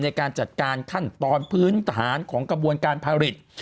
ในการจัดการขั้นตอนพื้นฐานของกระบวนการผลิต